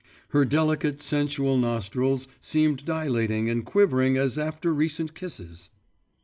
Her delicate sensual nostrils seemed dilating and quivering as after recent kisses.